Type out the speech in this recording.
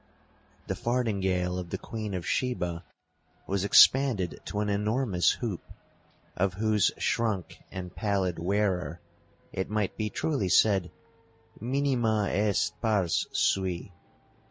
The fardingale of the queen of Sheba was expanded to an enormous hoop, of whose shrunk and pallid wearer it might be truly said, 'Minima est pars sui.